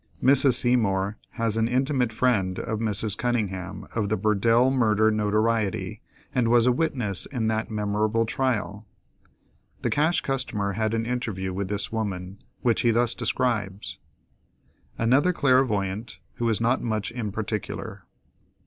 Mrs. Seymour was an intimate friend of Mrs. Cunningham, of the Burdell murder notoriety, and was a witness in that memorable trial. The Cash Customer had an interview with this woman, which he thus describes: Another Clairvoyant, who is not much in particular.